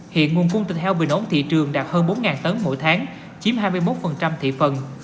hiện nguồn cung thịt heo bình ổn thị trường đạt hơn bốn tấn mỗi tháng chiếm hai mươi một thị phần